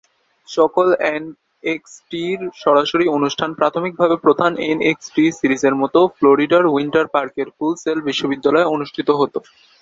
সকল এনএক্সটির সরাসরি অনুষ্ঠান প্রাথমিকভাবে প্রধান এনএক্সটি সিরিজের মতো ফ্লোরিডার উইন্টার পার্কের ফুল সেল বিশ্ববিদ্যালয়ে অনুষ্ঠিত হতো।